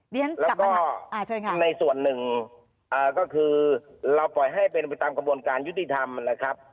แล้วก็ในส่วนหนึ่งก็คือเราปล่อยให้เป็นไปตามกระบวนการยุติธรรมนะครับ